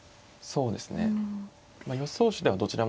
そうですね。